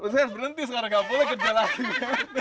saya berhenti sekarang nggak boleh kerja lagi